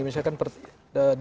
misalkan pertanyaan terbuka